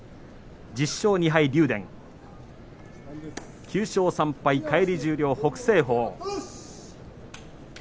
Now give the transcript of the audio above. １０勝２敗、竜電９勝３敗、返り十両北青鵬。